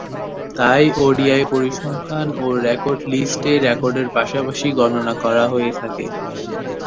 তাই, ওডিআই পরিসংখ্যান ও রেকর্ড লিস্ট-এ রেকর্ডের পাশাপাশি গণনা করা হয়ে থাকে।